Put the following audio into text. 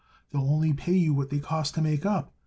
They'll only pay you what they cost to make up.